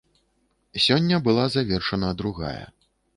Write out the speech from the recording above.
Сёння была завершана другая.